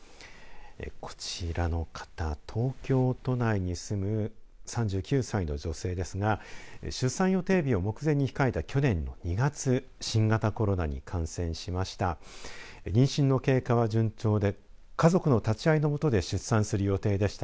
こちらの方、東京都内に住む３９歳の女性ですが出産予定日を目前に控えた去年２月新型コロナに感染しました。